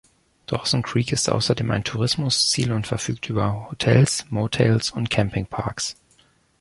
Dawson Creek ist außerdem ein Tourismusziel und verfügt über Hotels, Motels und Camping-Parks.